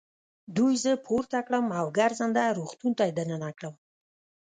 دوی زه پورته کړم او ګرځنده روغتون ته يې دننه کړم.